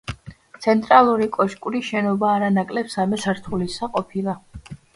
ცენტრალური კოშკური შენობა არა ნაკლებ სამი სართულისა ყოფილა.